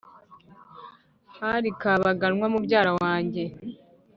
Hari Kabaganwa mubyara wanjye